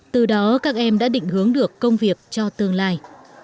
từ đó các em đã định hướng được công việc cho tương lai